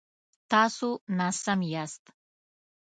تاسو ناسم یاست